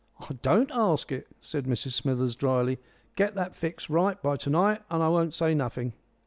"I don't ask it," said Mrs Smithers, drily. "Get that fixed right by to night and I won't say nothing."